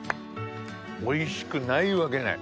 おいしくないわけない。